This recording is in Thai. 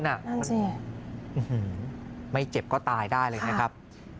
อื้อหือไม่เจ็บก็ตายได้เลยครับ